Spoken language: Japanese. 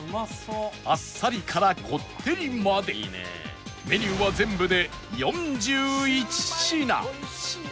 あっさりからこってりまでメニューは全部で４１品